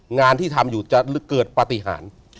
งานที่ทำอยู่จะเกิดปฏิหาร